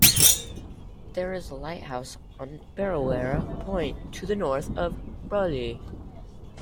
There is a lighthouse on Burrewarra Point to the north of Broulee.